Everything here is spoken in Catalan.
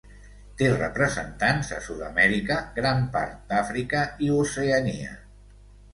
Té representants a Sud-amèrica, gran part d'Àfrica i Oceania.